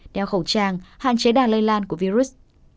đeo khẩu trang hạn chế đà lây lan của virus